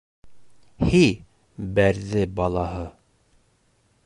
— Һи, Бәрҙе Балаһы...